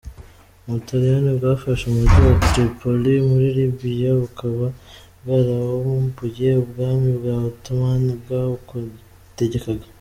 Ubutaliyani bwafashe umujyi wa Tripoli muri Libya bukaba bwarawambuye ubwami bwa Ottoman bwawutegekaga.